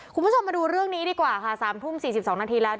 คุณผู้ชมมาดูเรื่องนี้ดีกว่าค่ะ๓ทุ่ม๔๒นาทีแล้ว